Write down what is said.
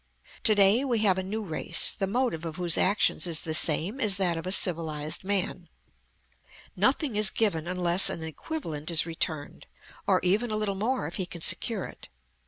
To day we have a new race, the motive of whose actions is the same as that of a civilized man. Nothing is given unless an equivalent is returned, or even a little more if he can secure it.